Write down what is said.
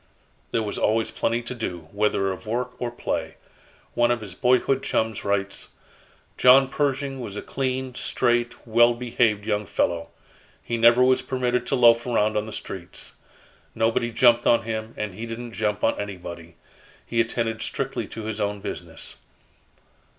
There was always plenty to do, whether of work or play. One of his boyhood chums writes: "John Pershing was a clean, straight, well behaved young fellow. He never was permitted to loaf around on the streets. Nobody jumped on him, and he didn't jump on anybody. He attended strictly to his own business.